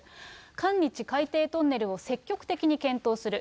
韓日海底トンネルを積極的に検討する。